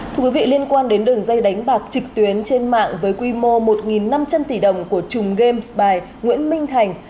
thưa quý vị liên quan đến đường dây đánh bạc trực tuyến trên mạng với quy mô một năm trăm linh tỷ đồng của chùm game s bài nguyễn minh thành